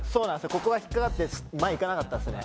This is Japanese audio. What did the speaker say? ここが引っかかって前へいかなかったっすね